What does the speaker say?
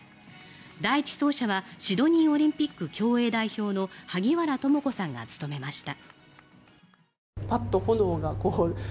第１走者はシドニーオリンピック競泳代表の萩原智子さんが務めました。